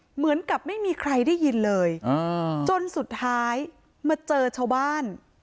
เหมือนกับไม่มีใครได้ยินเลยจนสุดท้ายมาเจอชาวบ้าน